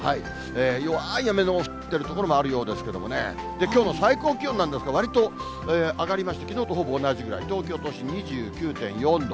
弱い雨の降っている所もあるようですけれどもね、きょうの最高気温なんですけど、わりと上がりまして、きのうとほぼ同じくらい、東京都心２９．４度。